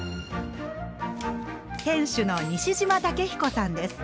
店主の西島武彦さんです。